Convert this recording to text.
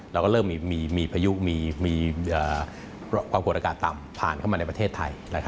เราก็เริ่มมีพายุมีความกดอากาศต่ำผ่านเข้ามาในประเทศไทย